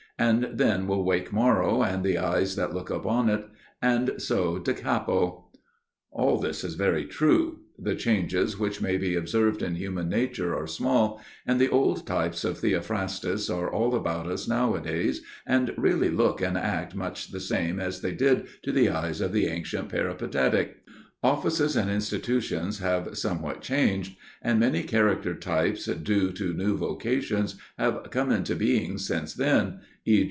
And then will wake Morrow and the eyes that look on it; and so da capo." All this is very true; the changes which may be observed in human nature are small, and the old types of Theophrastus are all about us nowadays and really look and act much the same as they did to the eyes of the ancient Peripatetic. Offices and institutions have somewhat changed, and many character types due to new vocations have come into being since then, _e.